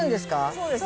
そうです。